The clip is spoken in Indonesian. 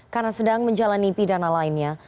karena sedang menjalani pidana lainnya